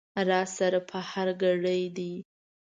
را سره په هر ګړي دي